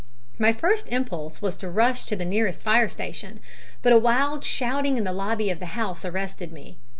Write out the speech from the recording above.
My first impulse was to rush to the nearest fire station; but a wild shouting in the lobby of the house arrested me.